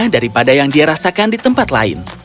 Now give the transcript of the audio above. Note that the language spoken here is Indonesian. daripada yang dia rasakan di tempat lain